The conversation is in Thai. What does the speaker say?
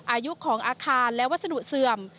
อายุของอาคารและวัสดุเสื่อม